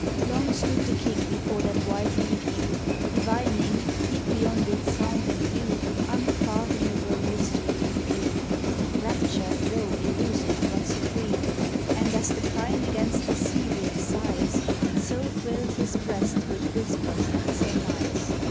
Long stood the king before that wide review. Divining, deep beyond its sound and hue. Unfathomable mystery and dream, — Rapture and woe illusive but supreme; And as the pine against the sea wind sighs. So thrilled his breast with whispers and surmise.